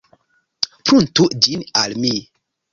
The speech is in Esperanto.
Pruntu ĝin al mi!